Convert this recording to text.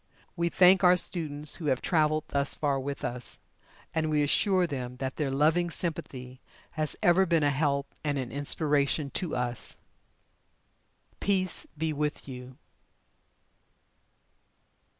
We thank our students who have traveled thus far with us, and we assure them that their loving sympathy has ever been a help and an inspiration to us. Peace be with you.